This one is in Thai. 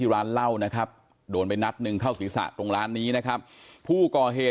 อาการสาหัสอยู่ก็ร้องตะโกนให้คนที่เข้าเวรที่ปั๊มเนี่ยมาช่วย